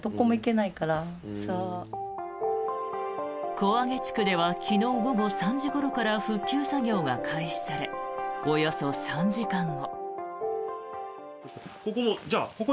小揚地区では昨日午後３時ごろから復旧作業が開始されおよそ３時間後。